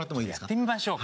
やってみましょうか。